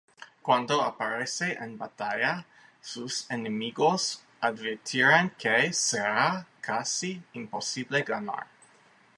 Cuando aparece en batalla, sus enemigos advierten que será casi imposible ganar.